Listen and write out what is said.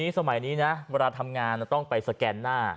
สมัยนี้นะเวลาทำงานต้องไปสแกนหน้า